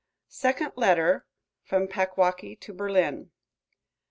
SECOND LETTER. FROM PACKWAUKEE TO BERLIN.